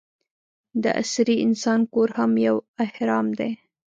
د عصري انسان کور هم یو اهرام دی.